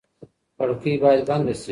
کړکۍ باید بنده شي.